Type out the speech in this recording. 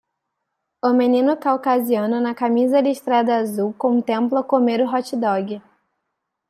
O menino caucasiano na camisa listrada azul contempla comer o hotdog.